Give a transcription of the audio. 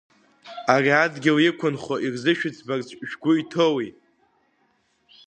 Ари адгьыл иқәынхо ирзышәыӡбарц шәгәы иҭоуи?